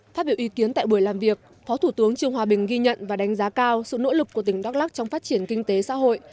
phát biểu ý kiến tại buổi làm việc phó thủ tướng trương hòa bình ghi nhận và đánh giá cao sự nỗ lực của tỉnh đắk lắc trong phát triển kinh tế xã hội